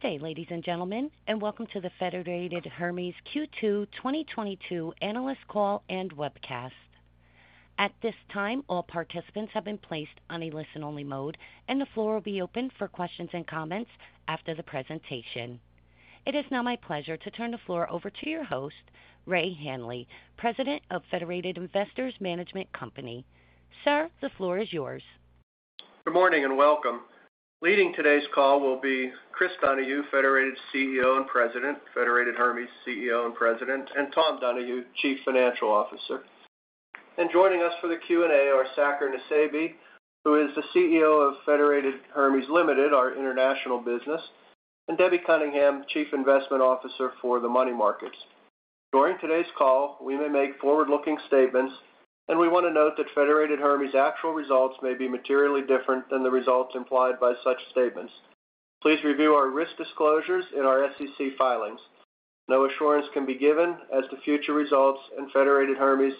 Good day, ladies and gentlemen, and welcome to the Federated Hermes Q2 2022 Analyst Call and webcast. At this time, all participants have been placed on a listen-only mode, and the floor will be open for questions and comments after the presentation. It is now my pleasure to turn the floor over to your host, Ray Hanley, President of Federated Investors Management Company. Sir, the floor is yours. Good morning and welcome. Leading today's call will be Chris Donahue, CEO and President of Federated Hermes, and Tom Donahue, Chief Financial Officer. Joining us for the Q&A are Saker Nusseibeh, who is the CEO of Federated Hermes Limited, our International business, and Debbie Cunningham, Chief Investment Officer for the money markets. During today's call, we may make forward-looking statements, and we wanna note that Federated Hermes' actual results may be materially different than the results implied by such statements. Please review our risk disclosures in our SEC filings. No assurance can be given as to future results, and Federated Hermes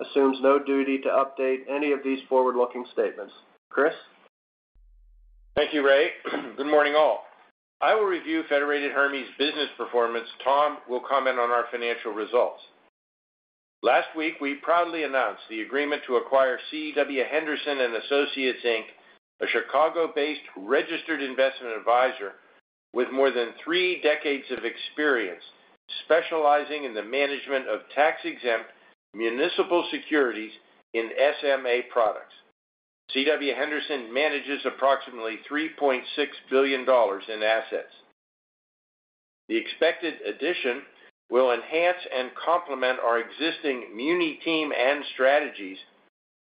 assumes no duty to update any of these forward-looking statements. Chris? Thank you, Ray. Good morning, all. I will review Federated Hermes business performance. Tom will comment on our financial results. Last week, we proudly announced the agreement to acquire C.W. Henderson and Associates, Inc., a Chicago-based registered investment advisor with more than three decades of experience, specializing in the management of tax-exempt municipal securities in SMA products. C.W. Henderson manages approximately $3.6 billion in assets. The expected addition will enhance and complement our existing muni team and strategies,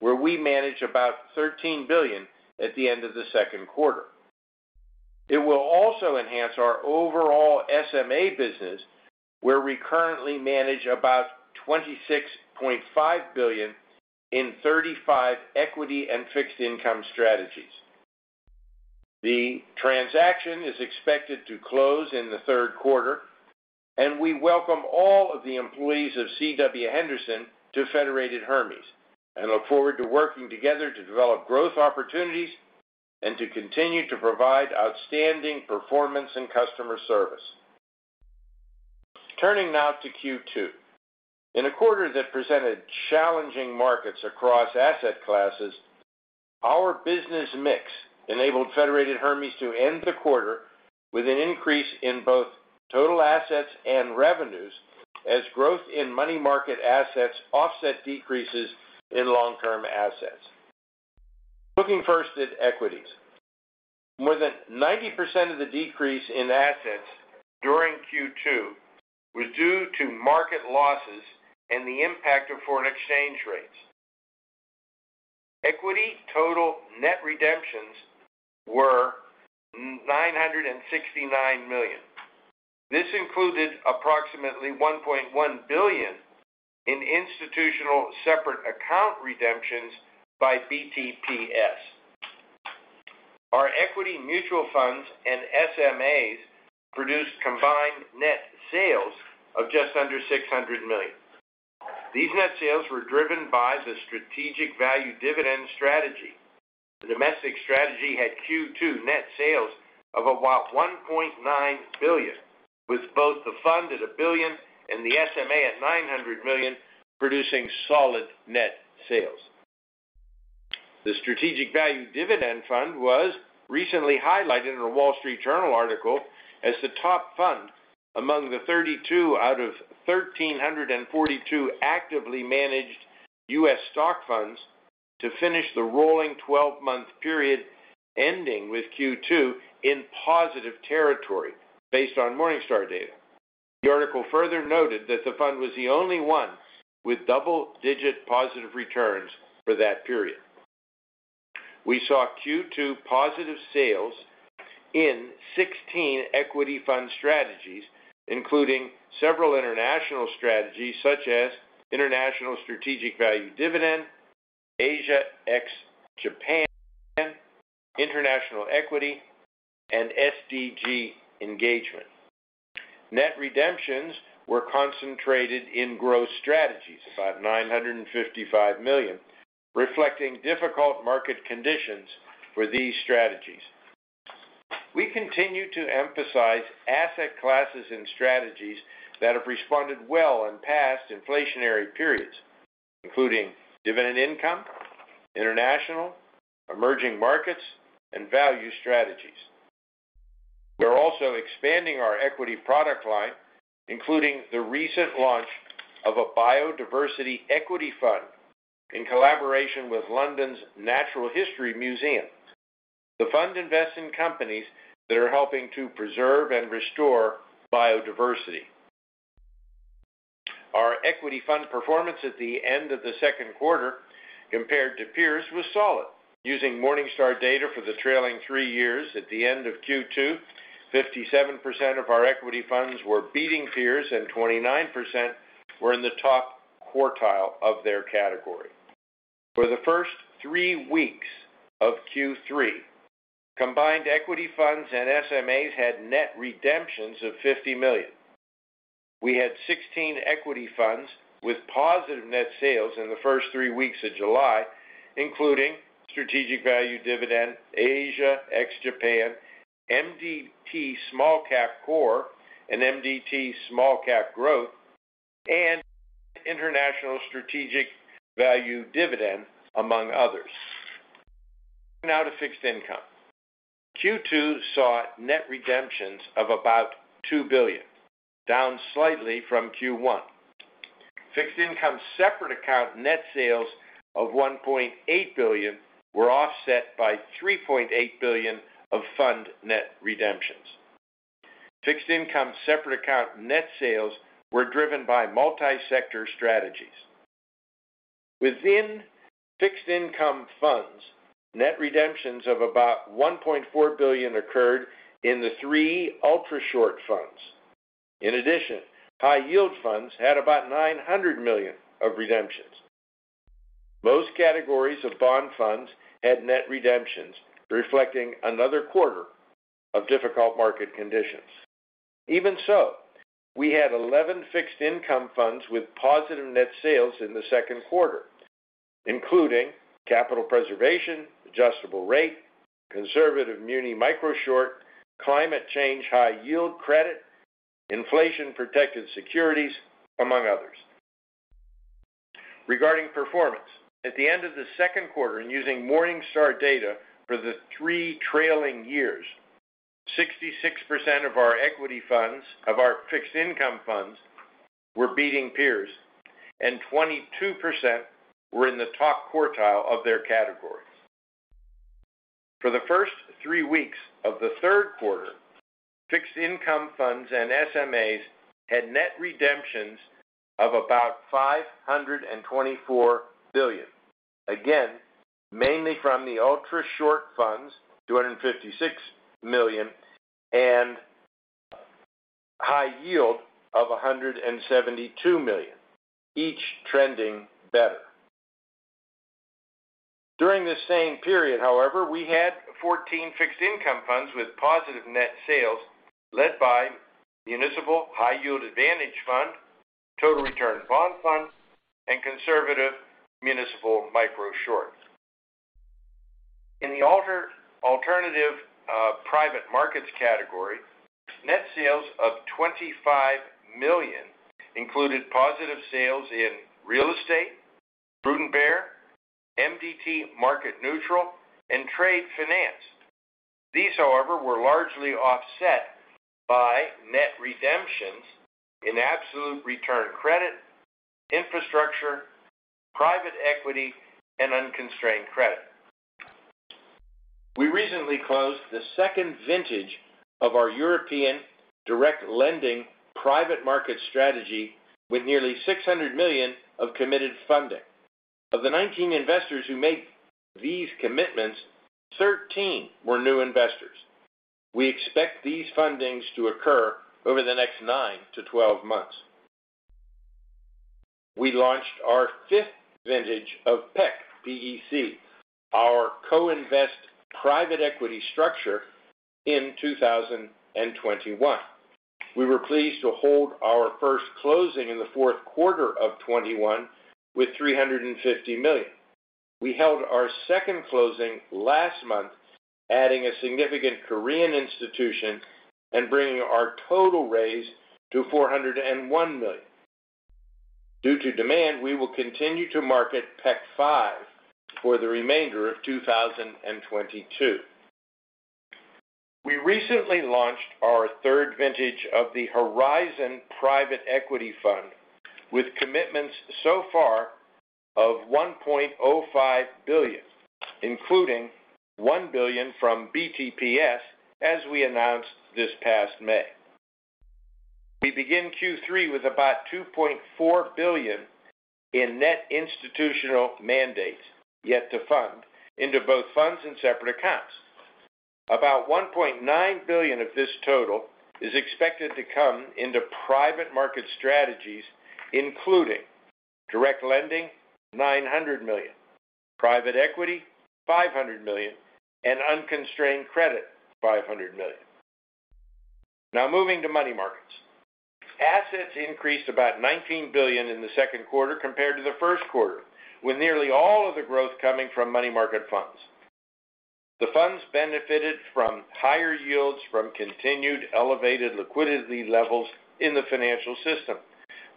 where we manage about $13 billion at the end of the second quarter. It will also enhance our overall SMA business, where we currently manage about $26.5 billion in 35 equity and fixed income strategies. The transaction is expected to close in the third quarter, and we welcome all of the employees of C.W. Henderson to Federated Hermes, and look forward to working together to develop growth opportunities and to continue to provide outstanding performance and customer service. Turning now to Q2. In a quarter that presented challenging markets across asset classes, our business mix enabled Federated Hermes to end the quarter with an increase in both total assets and revenues as growth in money market assets offset decreases in long-term assets. Looking first at equities. More than 90% of the decrease in assets during Q2 was due to market losses and the impact of foreign exchange rates. Equity total net redemptions were $969 million. This included approximately $1.1 billion in institutional separate account redemptions by BTPS. Our equity mutual funds and SMAs produced combined net sales of just under $600 million. These net sales were driven by the Strategic Value Dividend strategy. The domestic strategy had Q2 net sales of about $1.9 billion, with both the fund at $1 billion and the SMA at $900 million producing solid net sales. The Strategic Value Dividend Fund was recently highlighted in a Wall Street Journal article as the top fund among the 32 out of 1,342 actively managed U.S. stock funds to finish the rolling 12-month period ending with Q2 in positive territory based on Morningstar data. The article further noted that the fund was the only one with double-digit positive returns for that period. We saw Q2 positive sales in 16 equity fund strategies, including several international strategies such as International Strategic Value Dividend, Asia ex-Japan, International Equity, and SDG Engagement. Net redemptions were concentrated in growth strategies, about $955 million, reflecting difficult market conditions for these strategies. We continue to emphasize asset classes and strategies that have responded well in past inflationary periods, including dividend income, international, emerging markets, and value strategies. We're also expanding our equity product line, including the recent launch of a Biodiversity Equity Fund in collaboration with London's Natural History Museum. The fund invests in companies that are helping to preserve and restore biodiversity. Our equity fund performance at the end of the second quarter compared to peers was solid. Using Morningstar data for the trailing three years at the end of Q2, 57% of our equity funds were beating peers and 29% were in the top quartile of their category. For the first three weeks of Q3, combined equity funds and SMAs had net redemptions of $50 million. We had 16 equity funds with positive net sales in the first three weeks of July, including Strategic Value Dividend, Asia ex-Japan, MDT Small Cap Core, and MDT Small Cap Growth, and International Strategic Value Dividend, among others. Now to fixed income. Q2 saw net redemptions of about $2 billion, down slightly from Q1. Fixed income separate account net sales of $1.8 billion were offset by $3.8 billion of fund net redemptions. Fixed income separate account net sales were driven by multi-sector strategies. Within fixed income funds, net redemptions of about $1.4 billion occurred in the three Ultrashort Funds. In addition, High Yield funds had about $900 million of redemptions. Most categories of bond funds had net redemptions, reflecting another quarter of difficult market conditions. Even so, we had 11 fixed income funds with positive net sales in the second quarter, including Capital Preservation, Adjustable Rate, Conservative Municipal Microshort, Climate Change High Yield Credit, Inflation Protected Securities, among others. Regarding performance, at the end of the second quarter and using Morningstar data for the three trailing years, 66% of our fixed income funds were beating peers, and 22% were in the top quartile of their categories. For the first three weeks of the third quarter, fixed income funds and SMAs had net redemptions of about $524 billion. Again, mainly from the Ultrashort Funds, $256 million, and High Yield of $172 million, each trending better. During the same period, however, we had 14 fixed income funds with positive net sales led by Municipal High Yield Advantage Fund, Total Return Bond Fund, and Conservative Municipal Microshort. In the alternative private markets category, net sales of $25 million included positive sales in real estate, Prudent Bear, MDT Market Neutral, and Trade Finance. These, however, were largely offset by net redemptions in absolute return credit, infrastructure, private equity, and unconstrained credit. We recently closed the second vintage of our European direct lending private market strategy with nearly $600 million of committed funding. Of the 19 investors who made these commitments, 13 were new investors. We expect these fundings to occur over the next 9-12 months. We launched our fifth vintage of PEC, P-E-C, our co-invest private equity structure in 2021. We were pleased to hold our first closing in the fourth quarter of 2021 with $350 million. We held our second closing last month, adding a significant Korean institution and bringing our total raise to $401 million. Due to demand, we will continue to market PEC five for the remainder of 2022. We recently launched our third vintage of the Horizon Private Equity Fund with commitments so far of $1.05 billion, including $1 billion from BTPS, as we announced this past May. We begin Q3 with about $2.4 billion in net institutional mandates yet to fund into both funds and separate accounts. About $1.9 billion of this total is expected to come into private market strategies, including direct lending, $900 million, private equity, $500 million, and unconstrained credit, $500 million. Now moving to money markets. Assets increased about $19 billion in the second quarter compared to the first quarter, with nearly all of the growth coming from money market funds. The funds benefited from higher yields from continued elevated liquidity levels in the financial system.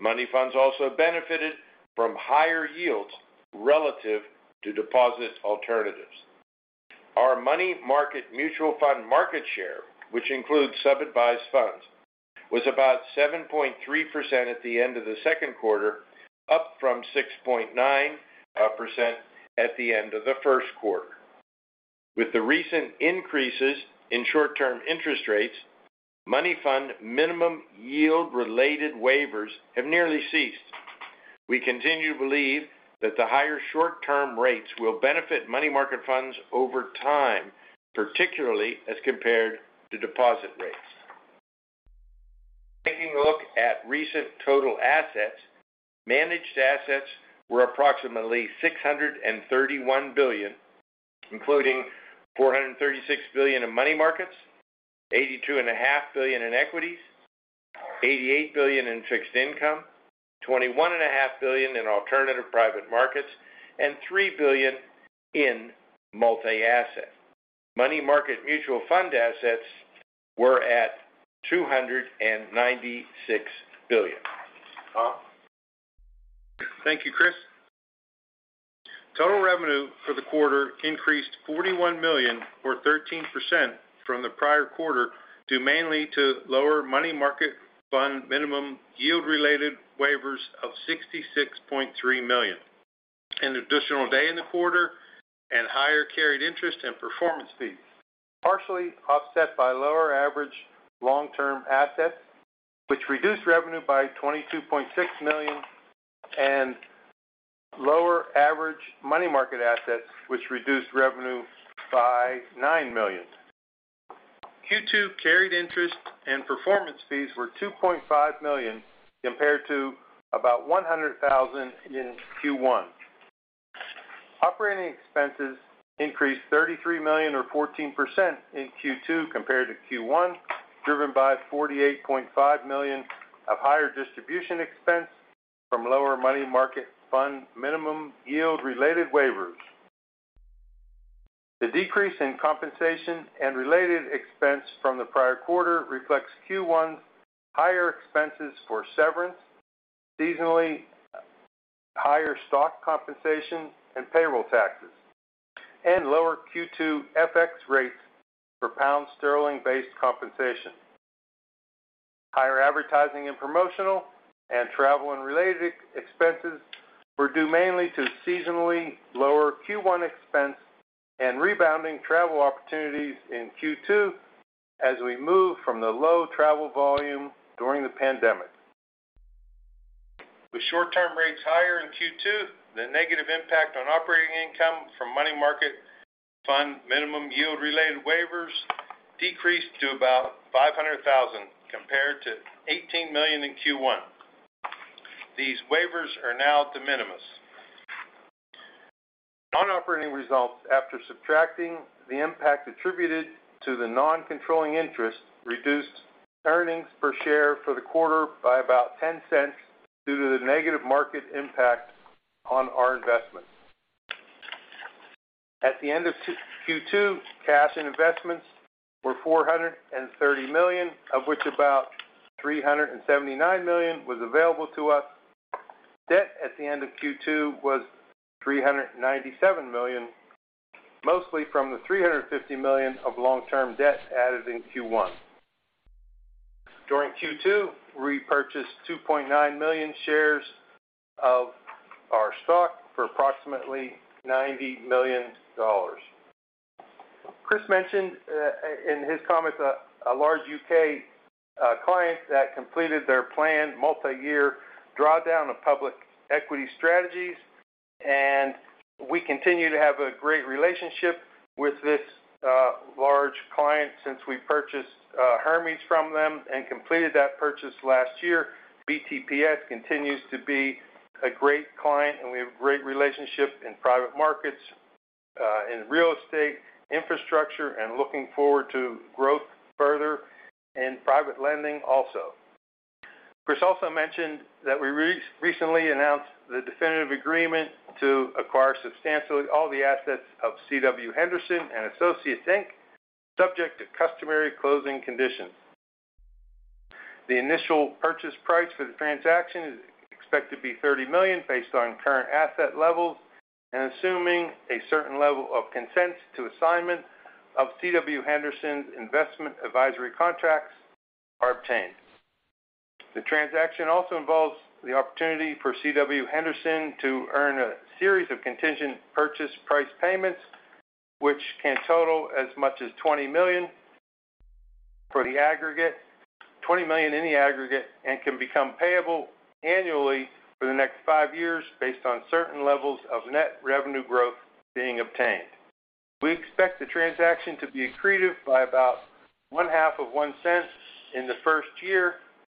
Money funds also benefited from higher yields relative to deposit alternatives. Our money market mutual fund market share, which includes sub-advised funds, was about 7.3% at the end of the second quarter, up from 6.9% at the end of the first quarter. With the recent increases in short-term interest rates, money fund minimum yield-related waivers have nearly ceased. We continue to believe that the higher short-term rates will benefit money market funds over time, particularly as compared to deposit rates. Taking a look at recent total assets, managed assets were approximately $631 billion. Including $436 billion in money markets, $82.5 billion in equities, $88 billion in fixed income, $21.5 billion in alternative private markets, and $3 billion in multi-asset. Money market mutual fund assets were at $296 billion. Tom? Thank you, Chris. Total revenue for the quarter increased $41 million or 13% from the prior quarter, due mainly to lower money market fund minimum yield-related waivers of $66.3 million, an additional day in the quarter and higher carried interest and performance fees, partially offset by lower average long-term assets, which reduced revenue by $22.6 million and lower average money market assets, which reduced revenue by $9 million. Q2 carried interest and performance fees were $2.5 million compared to about $100,000 in Q1. Operating expenses increased $33 million or 14% in Q2 compared to Q1, driven by $48.5 million of higher distribution expense from lower money market fund minimum yield-related waivers. The decrease in compensation and related expense from the prior quarter reflects Q1's higher expenses for severance, seasonally higher stock compensation and payroll taxes, and lower Q2 FX rates for pound sterling-based compensation. Higher advertising and promotional and travel and related expenses were due mainly to seasonally lower Q1 expense and rebounding travel opportunities in Q2 as we move from the low travel volume during the pandemic. With short-term rates higher in Q2, the negative impact on operating income from money market fund minimum yield-related waivers decreased to about $500,000 compared to $18 million in Q1. These waivers are now de minimis. Non-operating results after subtracting the impact attributed to the non-controlling interest reduced earnings per share for the quarter by about $0.10 due to the negative market impact on our investment. At the end of Q2, cash and investments were $430 million, of which about $379 million was available to us. Debt at the end of Q2 was $397 million, mostly from the $350 million of long-term debt added in Q1. During Q2, we repurchased 2.9 million shares of our stock for approximately $90 million. Chris mentioned in his comments a large U.K. client that completed their planned multiyear drawdown of public equity strategies, and we continue to have a great relationship with this large client since we purchased Hermes from them and completed that purchase last year. BTPS continues to be a great client, and we have great relationship in private markets in real estate, infrastructure, and looking forward to growth further in private lending also. Chris also mentioned that we recently announced the definitive agreement to acquire substantially all the assets of C.W. Henderson and Associates, Inc., subject to customary closing conditions. The initial purchase price for the transaction is expected to be $30 million based on current asset levels and assuming a certain level of consent to assignment of C.W. Henderson's investment advisory contracts are obtained. The transaction also involves the opportunity for C.W. Henderson to earn a series of contingent purchase price payments, which can total as much as $20 million in the aggregate, and can become payable annually for the next five years based on certain levels of net revenue growth being obtained. We expect the transaction to be accretive by about one half of one cent in the first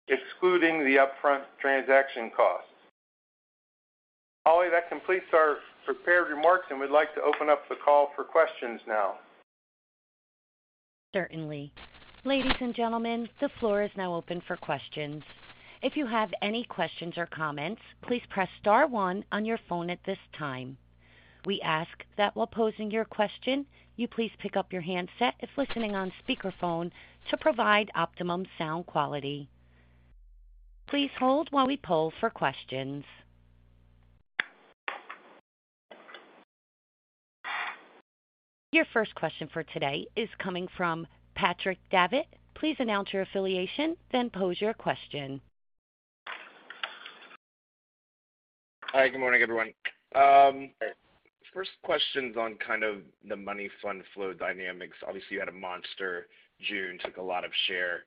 year, excluding the upfront transaction cost. Holly, that completes our prepared remarks, and we'd like to open up the call for questions now. Certainly. Ladies and gentlemen, the floor is now open for questions. If you have any questions or comments, please press star one on your phone at this time. We ask that while posing your question, you please pick up your handset if listening on speakerphone to provide optimum sound quality. Please hold while we poll for questions. Your first question for today is coming from Patrick Davitt. Please announce your affiliation, then pose your question. Hi, good morning, everyone. First question's on kind of the money fund flow dynamics. Obviously, you had a monster June, took a lot of share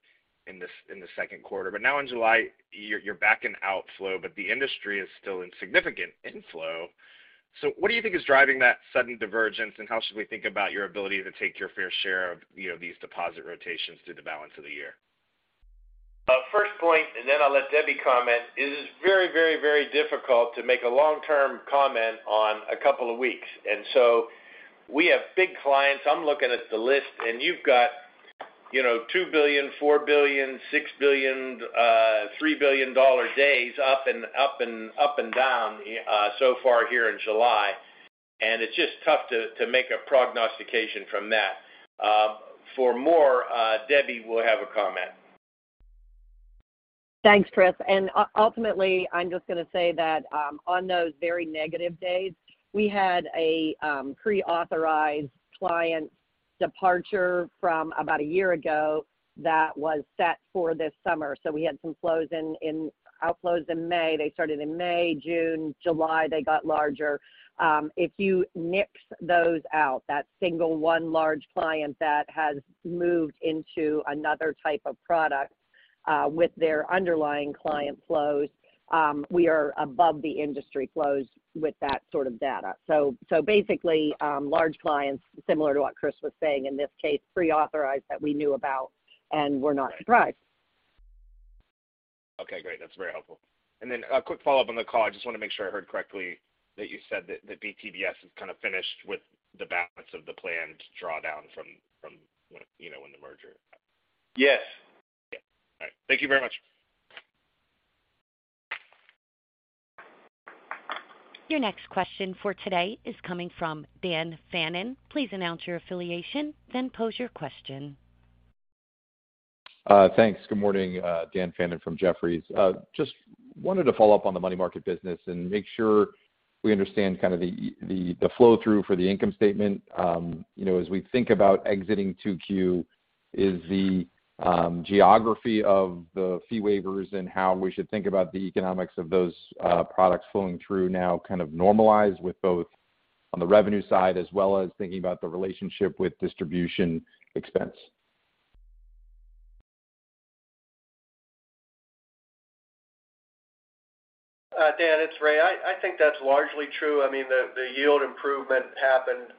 in the second quarter. Now in July, you're back in outflow, but the industry is still in significant inflow. What do you think is driving that sudden divergence, and how should we think about your ability to take your fair share of, you know, these deposit rotations through the balance of the year? First point, then I'll let Debbie comment. It is very difficult to make a long-term comment on a couple of weeks. We have big clients. I'm looking at the list, and you've got, you know, $2 billion, $4 billion, $6 billion, $3 billion dollar days up and down so far here in July. It's just tough to make a prognostication from that. For more, Debbie will have a comment. Thanks, Chris. Ultimately, I'm just gonna say that on those very negative days, we had a pre-authorized client departure from about a year ago that was set for this summer. We had some outflows in May. They started in May, June, July, they got larger. If you nix those out, that single one large client that has moved into another type of product with their underlying client flows, we are above the industry flows with that sort of data. Basically, large clients, similar to what Chris was saying in this case, pre-authorized that we knew about and were not surprised. Okay, great. That's very helpful. Then a quick follow-up on the call. I just wanna make sure I heard correctly that you said that BTPS is kinda finished with the balance of the planned drawdown from, you know, when the merger. Yes. Yeah. All right. Thank you very much. Your next question for today is coming from Dan Fannon. Please announce your affiliation, then pose your question. Thanks. Good morning, Dan Fannon from Jefferies. Just wanted to follow up on the money market business and make sure we understand kind of the flow-through for the income statement. You know, as we think about exiting 2Q, is the geography of the fee waivers and how we should think about the economics of those products flowing through now kind of normalized with both on the revenue side as well as thinking about the relationship with distribution expense? Dan Fannon, it's Ray Hanley. I think that's largely true. I mean, the yield improvement happened,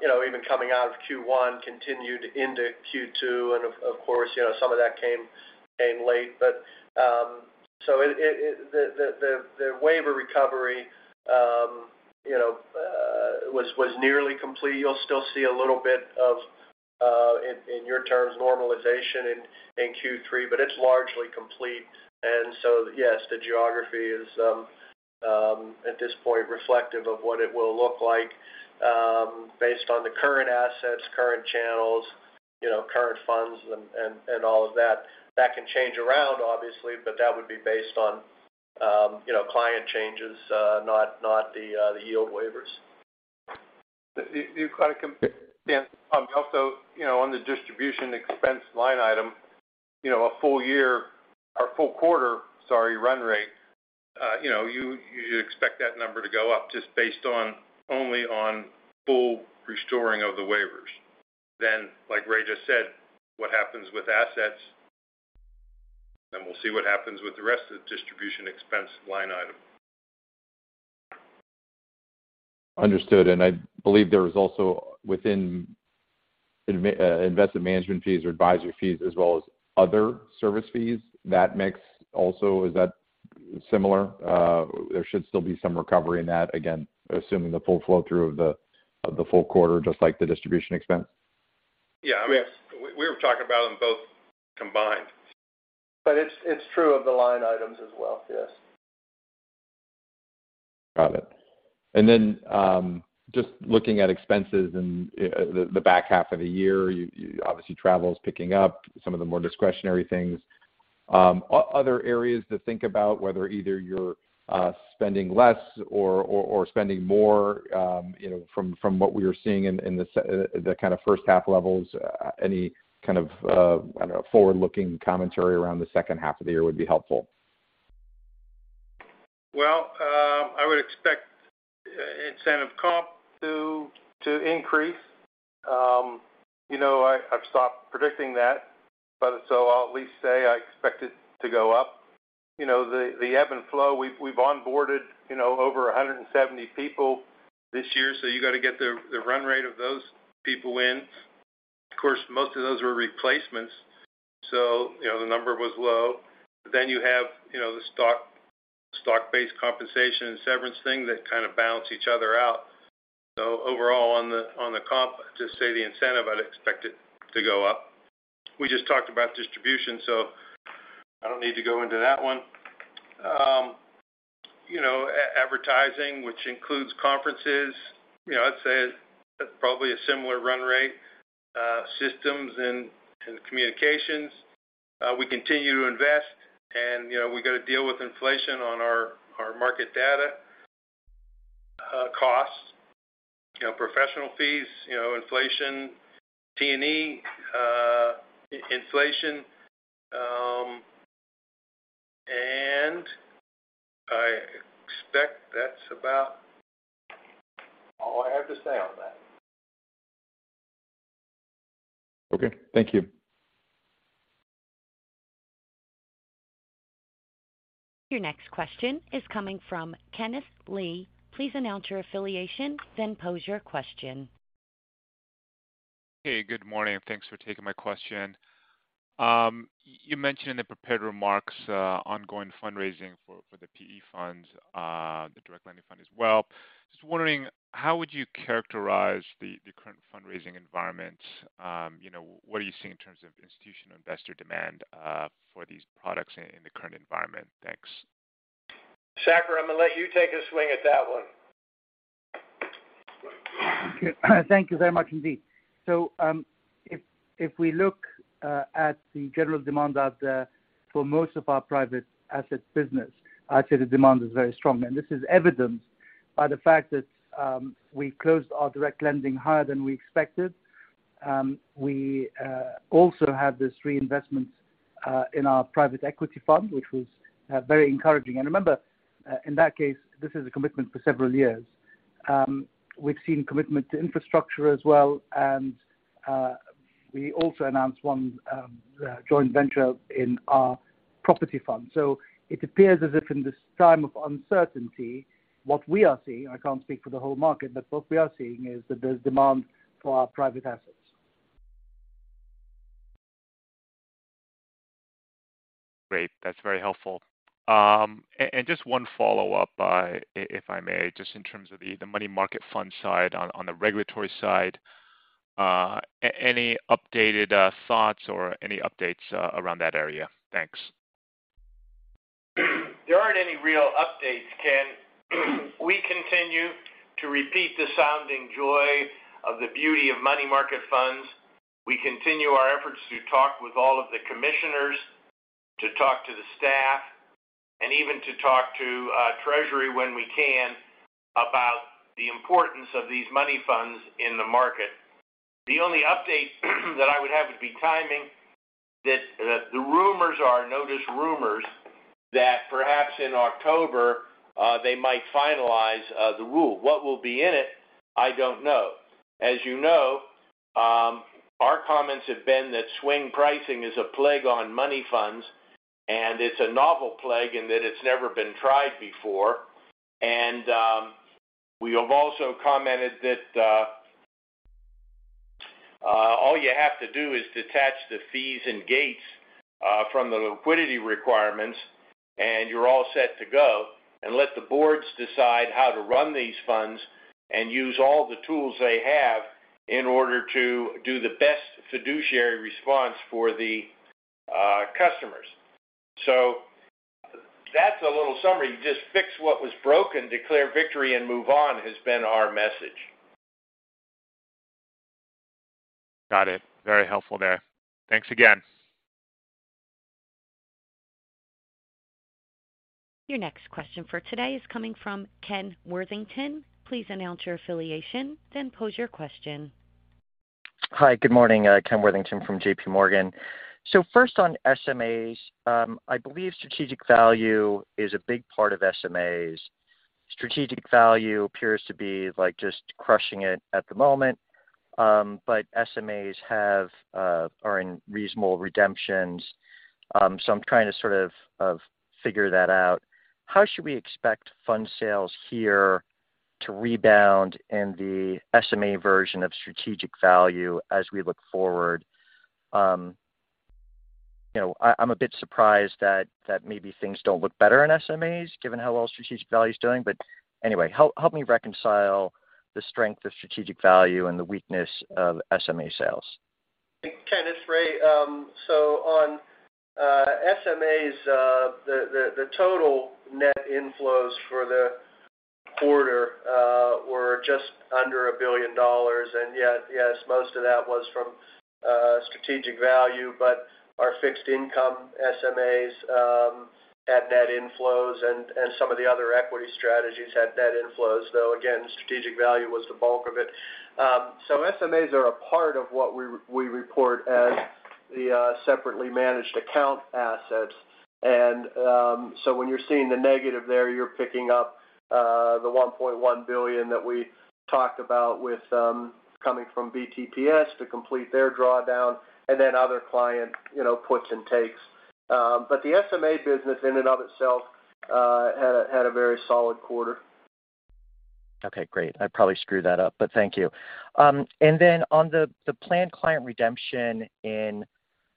you know, even coming out of Q1, continued into Q2. Of course, you know, some of that came late. The waiver recovery, you know, was nearly complete. You'll still see a little bit of, in your terms, normalization in Q3, but it's largely complete. Yes, the geography is at this point reflective of what it will look like, based on the current assets, current channels, you know, current funds and all of that. That can change around, obviously, but that would be based on client changes, not the yield waivers. Dan, also, you know, on the distribution expense line item, you know, a full year or full quarter, sorry, run rate, you know, you expect that number to go up just based on only on full restoration of the waivers. Like Ray just said, what happens with assets, then we'll see what happens with the rest of the distribution expense line item. Understood. I believe there is also within investment management fees or advisory fees as well as other service fees. That mix also, is that similar? There should still be some recovery in that. Again, assuming the full flow through of the full quarter, just like the distribution expense. Yeah. I mean, we were talking about them both combined. It's true of the line items as well. Yes. Got it. Just looking at expenses in the back half of the year, you, obviously, travel is picking up some of the more discretionary things. Other areas to think about whether either you're spending less or spending more, you know, from what we are seeing in the kind of first half levels, any kind of forward-looking commentary around the second half of the year would be helpful. Well, I would expect incentive comp to increase. You know, I've stopped predicting that, but I'll at least say I expect it to go up. You know, the ebb and flow, we've onboarded you know over 170 people this year, so you gotta get the run rate of those people in. Of course, most of those were replacements, so you know the number was low. But then you have you know the stock-based compensation and severance thing that kind of balance each other out. Overall, on the comp, to say the incentive, I'd expect it to go up. We just talked about distribution, so I don't need to go into that one. You know, advertising, which includes conferences, you know, I'd say probably a similar run rate. Systems and communications, we continue to invest and, you know, we gotta deal with inflation on our market data costs, you know, professional fees, you know, inflation, T&E, and I expect that's about all I have to say on that. Okay. Thank you. Your next question is coming from Kenneth Lee. Please announce your affiliation, then pose your question. Hey, good morning, and thanks for taking my question. You mentioned in the prepared remarks ongoing fundraising for the PE funds, the direct lending fund as well. Just wondering how would you characterize the current fundraising environment? You know, what are you seeing in terms of institutional investor demand for these products in the current environment? Thanks. Saker, I'm gonna let you take a swing at that one. Thank you. Thank you very much indeed. If we look at the general demand out there for most of our Private Asset business, I'd say the demand is very strong. This is evident by the fact that we closed our direct lending higher than we expected. We also have this reinvestment in our private equity fund, which was very encouraging. Remember, in that case, this is a commitment for several years. We've seen commitment to infrastructure as well, and we also announced one joint venture in our property fund. It appears as if in this time of uncertainty, what we are seeing, I can't speak for the whole market, but what we are seeing is that there's demand for our private assets. Great. That's very helpful. Just one follow-up, if I may, just in terms of the money market fund side on the regulatory side. Any updated thoughts or any updates around that area? Thanks. There aren't any real updates, Ken. We continue to repeat the sounding joy of the beauty of money market funds. We continue our efforts to talk with all of the commissioners, to talk to the staff, and even to talk to Treasury when we can about the importance of these money funds in the market. The only update that I would have would be timing. That the rumors are, note rumors, that perhaps in October they might finalize the rule. What will be in it, I don't know. As you know, our comments have been that swing pricing is a plague on money funds, and it's a novel plague in that it's never been tried before. We have also commented that all you have to do is detach the fees and gates from the liquidity requirements, and you're all set to go. Let the boards decide how to run these funds and use all the tools they have in order to do the best fiduciary response for the customers. That's a little summary. Just fix what was broken, declare victory, and move on has been our message. Got it. Very helpful there. Thanks again. Your next question for today is coming from Kenneth Worthington. Please announce your affiliation, then pose your question. Hi, good morning. Kenneth Worthington from JPMorgan. First on SMAs, I believe strategic value is a big part of SMAs. Strategic value appears to be like just crushing it at the moment. SMAs are in reasonable redemptions. I'm trying to sort of figure that out. How should we expect fund sales here to rebound in the SMA version of strategic value as we look forward? You know, I'm a bit surprised that maybe things don't look better in SMAs given how well strategic value is doing. Anyway, help me reconcile the strength of strategic value and the weakness of SMA sales. Thanks, Kenneth. Great. On SMAs, the total net inflows for the quarter were just under $1 billion. Yet, yes, most of that was from Strategic Value, but our fixed income SMAs had net inflows and some of the other equity strategies had net inflows, though again, Strategic Value was the bulk of it. SMAs are a part of what we report as the separately managed accounts assets. When you're seeing the negative there, you're picking up the $1.1 billion that we talked about with coming from BTPS to complete their drawdown and then other client, you know, puts and takes. The SMA business in and of itself had a very solid quarter. Okay, great. I probably screwed that up, but thank you. On the planned client redemption in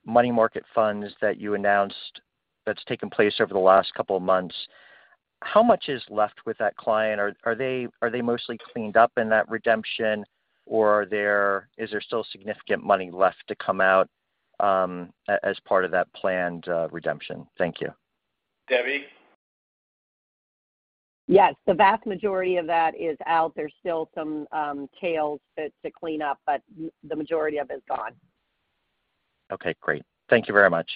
money market funds that you announced that's taken place over the last couple of months, how much is left with that client? Are they mostly cleaned up in that redemption or is there still significant money left to come out as part of that planned redemption? Thank you. Debbie? Yes, the vast majority of that is out. There's still some tails to clean up, but the majority of it is gone. Okay, great. Thank you very much.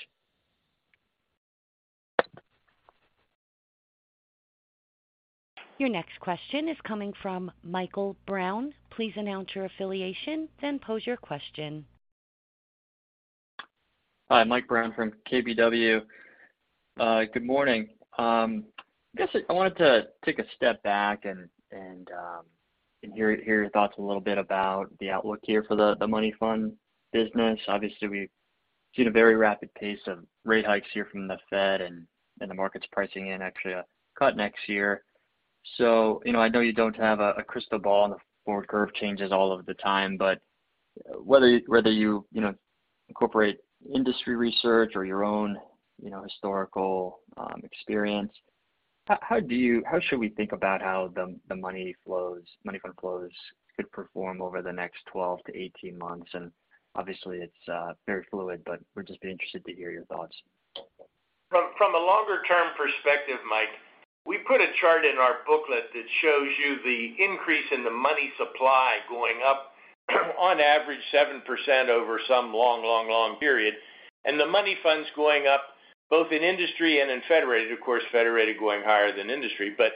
Your next question is coming from Michael Brown. Please announce your affiliation, then pose your question. Hi, Mike Brown from KBW. Good morning. I guess I wanted to take a step back and hear your thoughts a little bit about the outlook here for the money fund business. Obviously, we've seen a very rapid pace of rate hikes here from the Fed, and then the market's pricing in actually a cut next year. You know, I know you don't have a crystal ball, and the forward curve changes all of the time, but whether you incorporate industry research or your own historical experience, how should we think about how the money fund flows could perform over the next 12-18 months? Obviously, it's very fluid, but we've just been interested to hear your thoughts. From a longer-term perspective, Mike, we put a chart in our booklet that shows you the increase in the money supply going up, on average, 7% over some long period. The money funds going up, both in industry and in Federated, of course, Federated going higher than industry, but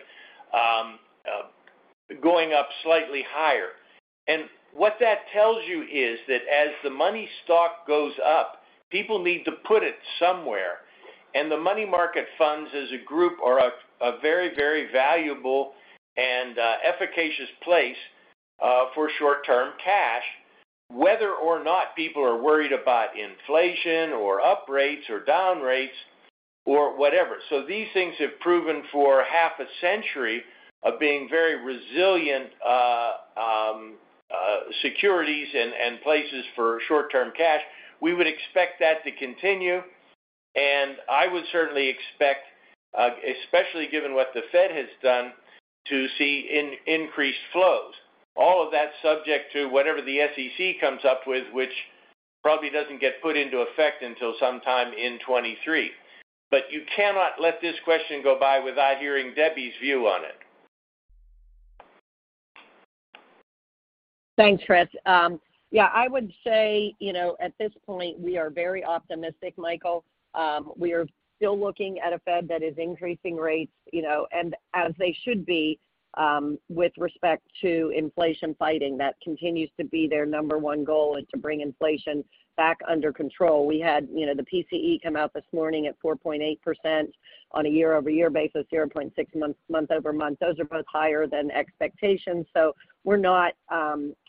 going up slightly higher. What that tells you is that as the money stock goes up, people need to put it somewhere. The money market funds as a group are a very valuable and efficacious place for short-term cash, whether or not people are worried about inflation or up rates or down rates or whatever. These things have proven for half a century of being very resilient securities and places for short-term cash. We would expect that to continue, and I would certainly expect, especially given what the Fed has done to see increased flows. All of that subject to whatever the SEC comes up with, which probably doesn't get put into effect until sometime in 2023. You cannot let this question go by without hearing Debbie's view on it. Thanks, Chris. Yeah, I would say, you know, at this point, we are very optimistic, Michael. We are still looking at a Fed that is increasing rates, you know, and as they should be, with respect to inflation fighting. That continues to be their number one goal is to bring inflation back under control. We had, you know, the PCE come out this morning at 4.8% on a year-over-year basis, 0.6 month-over-month. Those are both higher than expectations. So we're not.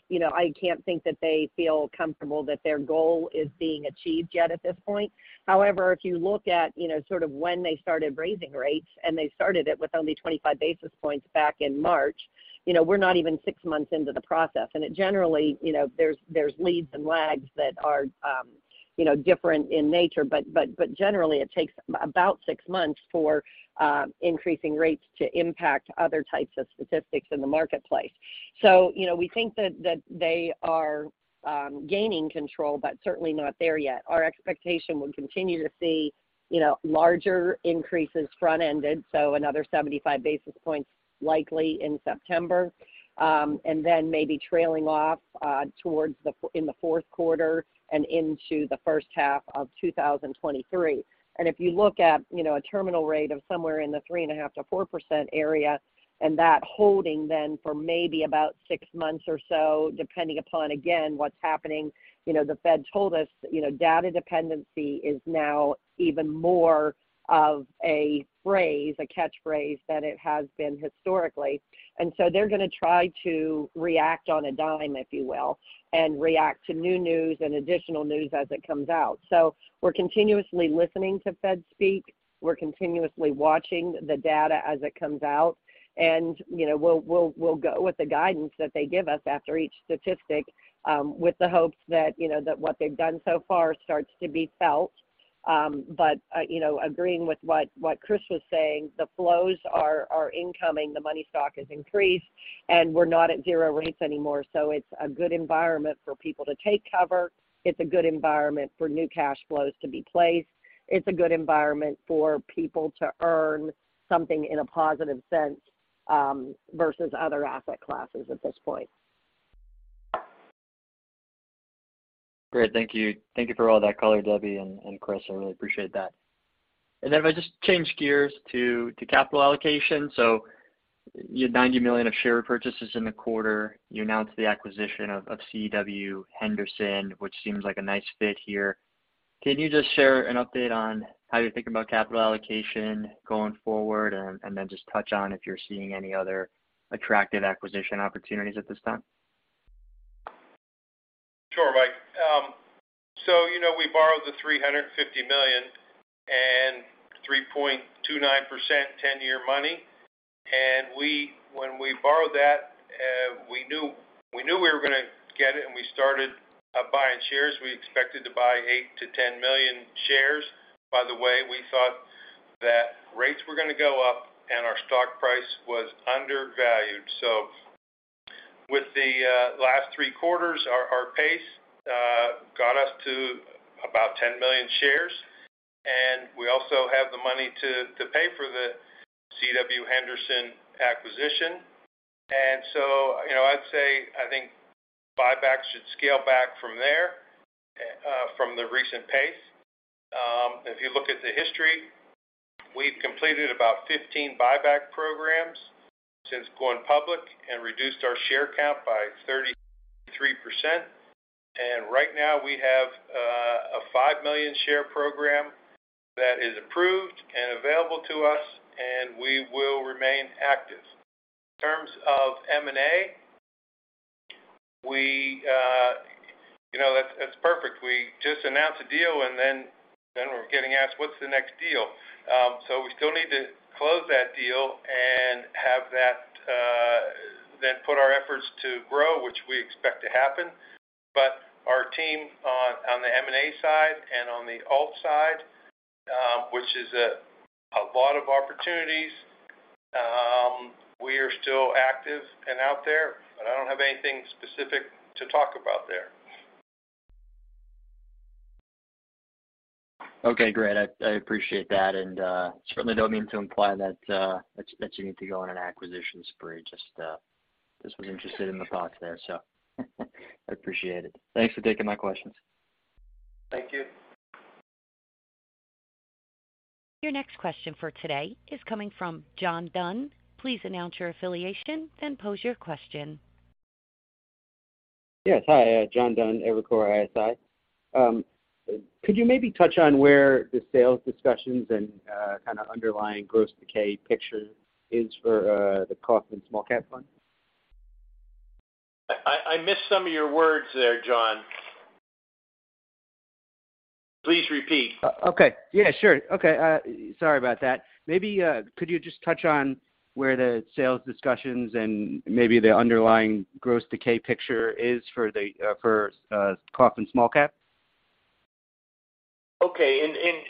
You know, I can't think that they feel comfortable that their goal is being achieved yet at this point. However, if you look at, you know, sort of when they started raising rates, and they started it with only 25 basis points back in March, you know, we're not even six months into the process. It generally, you know, there's leads and lags that are, you know, different in nature, but generally, it takes about six months for increasing rates to impact other types of statistics in the marketplace. So, you know, we think that they are gaining control, but certainly not there yet. Our expectation would continue to see, you know, larger increases front-ended, so another 75 basis points likely in September, and then maybe trailing off towards the fourth quarter and into the first half of 2023. If you look at, you know, a terminal rate of somewhere in the 3.5%-4% area, and that holding then for maybe about six months or so, depending upon, again, what's happening, you know, the Fed told us, you know, data dependency is now even more of a phrase, a catchphrase than it has been historically. They're gonna try to react on a dime, if you will, and react to new news and additional news as it comes out. We're continuously listening to Fed speak. We're continuously watching the data as it comes out. You know, we'll go with the guidance that they give us after each statistic, with the hopes that, you know, that what they've done so far starts to be felt. You know, agreeing with what Chris was saying, the flows are incoming, the money stock has increased, and we're not at zero rates anymore. It's a good environment for people to take cover. It's a good environment for new cash flows to be placed. It's a good environment for people to earn something in a positive sense versus other asset classes at this point. Great. Thank you. Thank you for all that color, Debbie and Chris. I really appreciate that. If I just change gears to capital allocation. $90 million of share purchases in the quarter. You announced the acquisition of C.W. Henderson, which seems like a nice fit here. Can you just share an update on how you're thinking about capital allocation going forward? Just touch on if you're seeing any other attractive acquisition opportunities at this time. Sure, Mike. You know, we borrowed $350 million and 3.29% ten-year money. When we borrowed that, we knew we were gonna get it, and we started buying shares. We expected to buy 8-10 million shares. By the way, we thought that rates were gonna go up and our stock price was undervalued. With the last three quarters, our pace got us to about 10 million shares, and we also have the money to pay for the C.W. Henderson acquisition. You know, I'd say, I think buybacks should scale back from there, from the recent pace. If you look at the history, we've completed about 15 buyback programs since going public and reduced our share count by 33%. Right now we have 5 million share program that is approved and available to us, and we will remain active. In terms of M&A, we, you know, that's perfect. We just announced a deal, and then we're getting asked, "What's the next deal?" We still need to close that deal and have that, then put our efforts to grow, which we expect to happen. Our team on the M&A side and on the alt side, which is a lot of opportunities, we are still active and out there, but I don't have anything specific to talk about there. Okay, great. I appreciate that, and certainly don't mean to imply that you need to go on an acquisition spree. Just was interested in the thoughts there. I appreciate it. Thanks for taking my questions. Thank you. Your next question for today is coming from John Dunn. Please announce your affiliation, then pose your question. Yes. Hi. John Dunn, Evercore ISI. Could you maybe touch on where the sales discussions and kinda underlying gross decay picture is for the Kaufmann Small Cap Fund? I missed some of your words there, John. Please repeat. Okay. Yeah, sure. Okay. Sorry about that. Maybe could you just touch on where the sales discussions and maybe the underlying gross decay picture is for the Kaufmann Small Cap? Okay.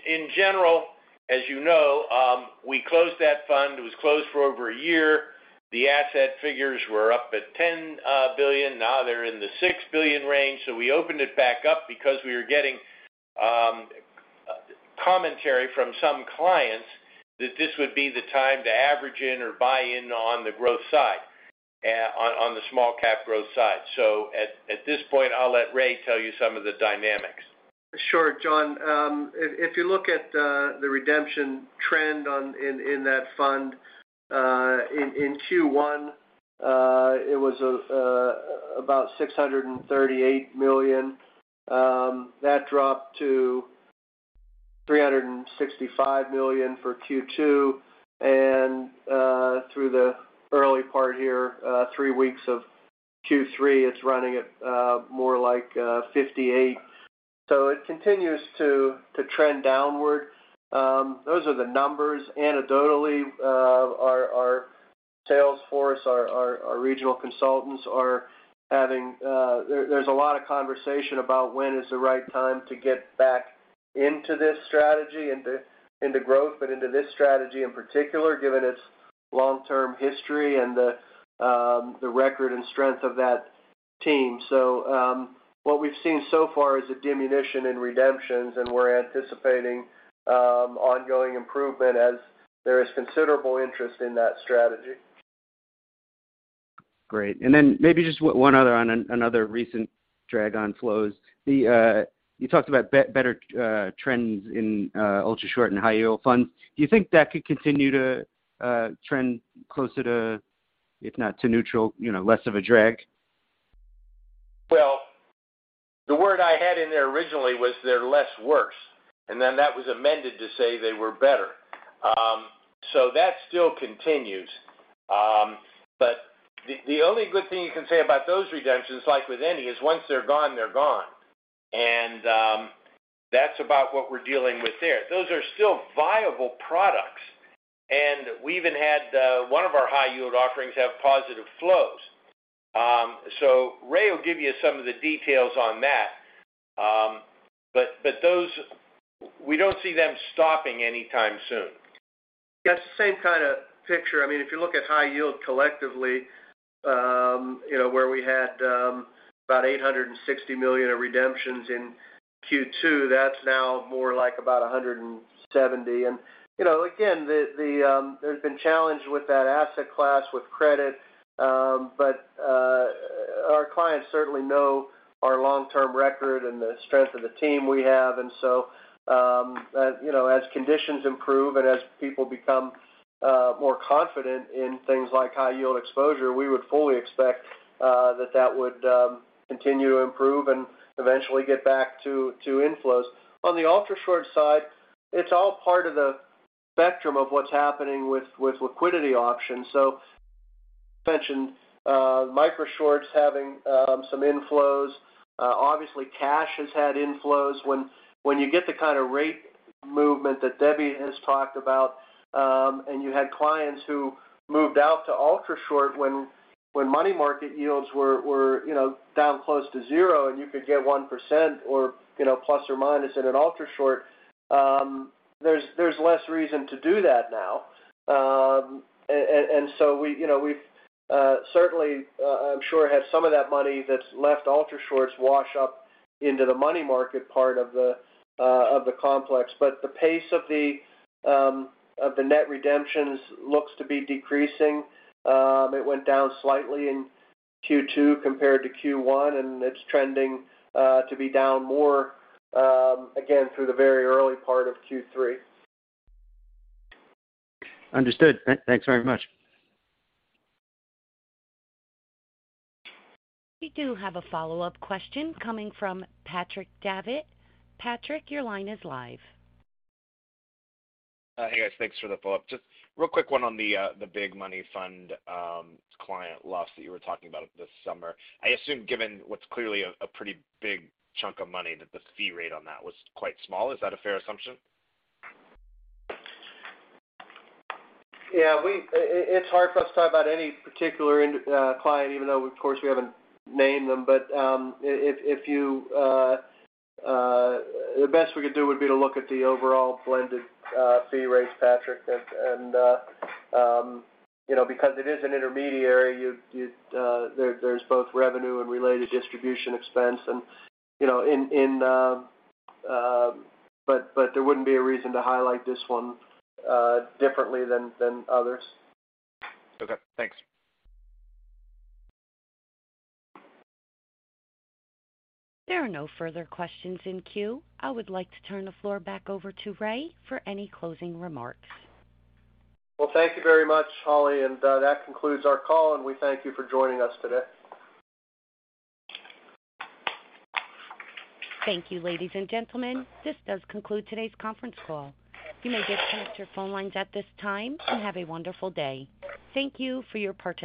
In general, as you know, we closed that fund. It was closed for over a year. The asset figures were up at $10 billion, now they're in the $6 billion range. We opened it back up because we were getting commentary from some clients that this would be the time to average in or buy in on the growth side, on the small cap growth side. At this point, I'll let Ray tell you some of the dynamics. Sure, John. If you look at the redemption trend in that fund in Q1, it was about $638 million. That dropped to $365 million for Q2. Through the early part here, three weeks of Q3, it's running at more like $58 million. It continues to trend downward. Those are the numbers. Anecdotally, our sales force, our regional consultants are having. There is a lot of conversation about when is the right time to get back into this strategy, into growth, but into this strategy in particular, given its long-term history and the record and strength of that team. What we've seen so far is a diminution in redemptions, and we're anticipating ongoing improvement as there is considerable interest in that strategy. Great. Maybe just one other on another recent drag on flows. You talked about better trends in ultrashort and high yield funds. Do you think that could continue to trend closer to, if not to neutral, you know, less of a drag? Well, the word I had in there originally was they're less worse, and then that was amended to say they were better. That still continues. The only good thing you can say about those redemptions, like with any, is once they're gone, they're gone. That's about what we're dealing with there. Those are still viable products, and we even had one of our High Yield offerings have positive flows. Ray will give you some of the details on that. Those, we don't see them stopping anytime soon. Yes, same kinda picture. I mean, if you look at High Yield collectively, you know, where we had about $860 million of redemptions in Q2, that's now more like about $170 million. You know, again, there's been challenge with that asset class with credit, but our clients certainly know our long-term record and the strength of the team we have. You know, as conditions improve and as people become more confident in things like High Yield exposure, we would fully expect that that would continue to improve and eventually get back to inflows. On the ultrashort side, it's all part of the spectrum of what's happening with liquidity options. I mentioned micro shorts having some inflows. Obviously cash has had inflows. When you get the kind of rate movement that Debbie has talked about, and you had clients who moved out to ultrashort when money market yields were, you know, down close to zero, and you could get 1% or, you know, plus or minus in an ultrashort, there's less reason to do that now. We, you know, we've certainly, I'm sure, had some of that money that's left ultrashorts wash up into the money market part of the complex. The pace of the net redemptions looks to be decreasing. It went down slightly in Q2 compared to Q1, and it's trending to be down more, again, through the very early part of Q3. Understood. Thanks very much. We do have a follow-up question coming from Patrick Davitt. Patrick, your line is live. Hey, guys. Thanks for the follow-up. Just real quick one on the big money fund client loss that you were talking about this summer. I assume, given what's clearly a pretty big chunk of money, that the fee rate on that was quite small. Is that a fair assumption? It's hard for us to talk about any particular client, even though, of course, we haven't named them. The best we could do would be to look at the overall blended fee rates, Patrick. You know, because it is an intermediary, there's both revenue and related distribution expense. There wouldn't be a reason to highlight this one differently than others. Okay, thanks. There are no further questions in queue. I would like to turn the floor back over to Ray for any closing remarks. Well, thank you very much, Holly, and that concludes our call, and we thank you for joining us today. Thank you, ladies and gentlemen. This does conclude today's conference call. You may disconnect your phone lines at this time, and have a wonderful day. Thank you for your participation.